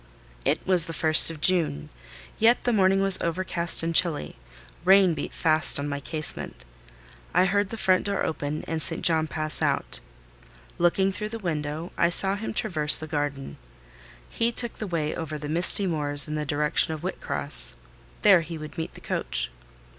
It was the first of June; yet the morning was overcast and chilly: rain beat fast on my casement. I heard the front door open, and St. John pass out. Looking through the window, I saw him traverse the garden. He took the way over the misty moors in the direction of Whitcross—there he would meet the coach.